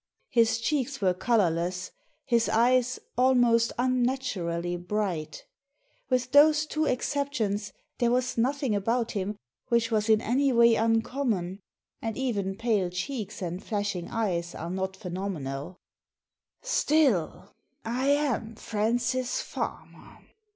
His cheeks were colourless, his eyes almost un naturally bright With those two exceptions there was nothing about him which was in any way im common, and even pale cheeks and flashing eyes are not phenomenal "Still, I am Francis Farmer.